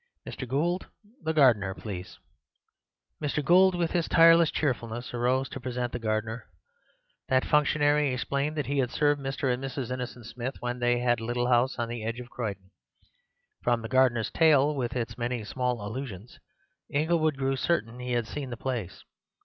Mr. Gould, the gardener, please." Mr. Gould, with his tireless cheerfulness, arose to present the gardener. That functionary explained that he had served Mr. and Mrs. Innocent Smith when they had a little house on the edge of Croydon. From the gardener's tale, with its many small allusions, Inglewood grew certain he had seen the place.